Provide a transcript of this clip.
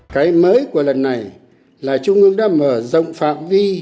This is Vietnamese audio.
cái mới của lần này là trung ương đã mở rộng phạm vi